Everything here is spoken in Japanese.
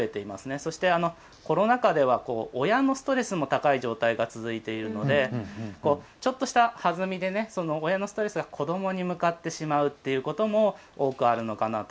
そしてコロナ禍では親のストレスも高い状態も続いているのでちょっとした弾みで親のストレスが子どもに向かってしまうということも多くあるのかなと。